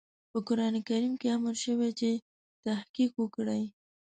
په قرآن کريم کې امر شوی چې تحقيق وکړئ.